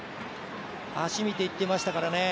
足見ていってましたからね。